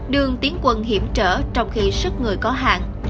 đường tiến quân hiểm trở trong khi sức người có hạn